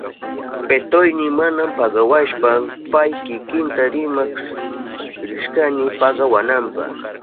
Patroyni mana pagawashpan pay kikinta rimak rishkani pagawananpa.